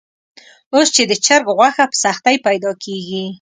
اوس چې د چرګ غوښه په سختۍ پیدا کېږي.